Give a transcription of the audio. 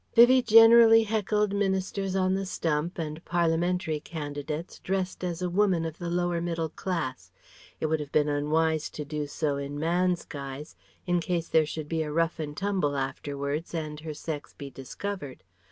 Vivie generally heckled ministers on the stump and parliamentary candidates dressed as a woman of the lower middle class. It would have been unwise to do so in man's guise, in case there should be a rough and tumble afterwards and her sex be discovered.